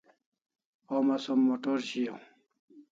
Homa som motor shiau